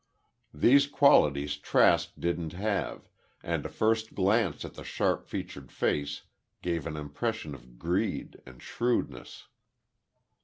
These qualities Trask didn't have, and a first glance at the sharp featured face gave an impression of greed and shrewdness.